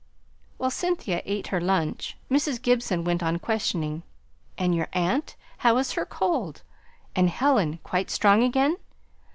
While Cynthia ate her lunch, Mrs. Gibson went on questioning. "And your aunt, how is her cold? And Helen, quite strong again?